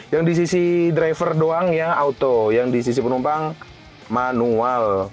yang di sisi driver doang yang auto yang di sisi penumpang manual